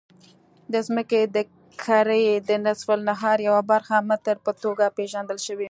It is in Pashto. د ځمکې د کرې د نصف النهار یوه برخه متر په توګه پېژندل شوې.